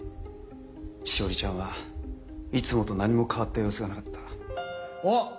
詩織ちゃんはいつもと何も変わった様子がなかった。